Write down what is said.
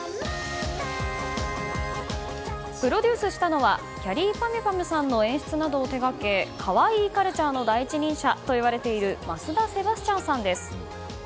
プロデュースしたのはきゃりーぱみゅぱみゅさんの演出などを手掛けカワイイカルチャーの第一人者といわれている増田セバスチャンさんです。